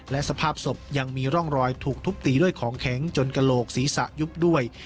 และสภาพศพยังมีร่องรอยถูกทุบตีด้วยของแข็งจนกระโหลกศีรษะยุบด้วย